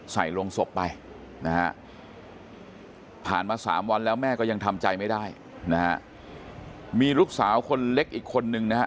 ลงศพไปนะฮะผ่านมา๓วันแล้วแม่ก็ยังทำใจไม่ได้นะฮะมีลูกสาวคนเล็กอีกคนนึงนะฮะ